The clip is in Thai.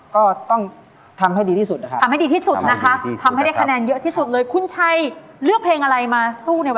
ก็ต้องทำให้ดีที่สุดนะครับ